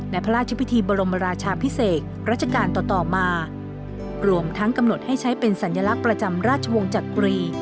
พระราชพิธีบรมราชาพิเศษรัชกาลต่อต่อมารวมทั้งกำหนดให้ใช้เป็นสัญลักษณ์ประจำราชวงศ์จักรี